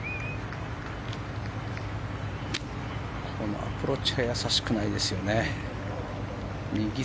このアプローチがやさしくないですよね。